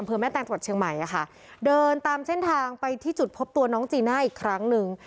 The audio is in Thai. เพื่อแม่แตงจังหวัดเชียงใหม่อะค่ะเดินตามเส้นทางไปที่จุดพบตัวน้องจีน่าอีกครั้งหนึ่ง